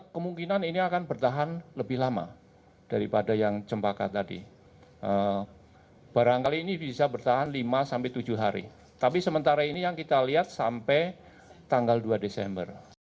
kita lihat sampai tanggal dua desember